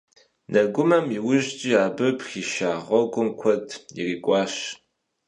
Нэгумэм иужькӀи абы пхиша гъуэгум куэд ирикӀуащ.